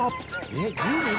「えっ１０人？